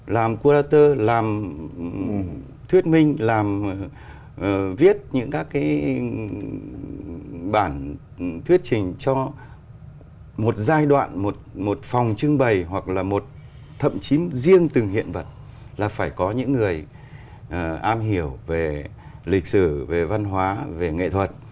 làm curator làm thuyết minh làm viết những các cái bản thuyết trình cho một giai đoạn một phòng trưng bày hoặc là một thậm chí riêng từng hiện vật là phải có những người am hiểu về lịch sử về văn hóa về nghệ thuật